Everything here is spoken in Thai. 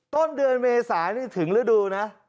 ต้นเดือนเมษานี่ถึงฤดูนะ